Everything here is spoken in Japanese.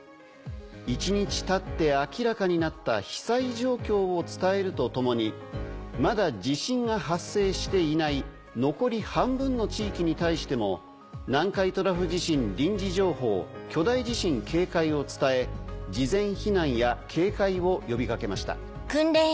１日たって明らかになった被災状況を伝えるとともにまだ地震が発生していない残り半分の地域に対しても南海トラフ地震臨時情報「巨大地震警戒」を伝え事前避難や警戒を呼びかけました。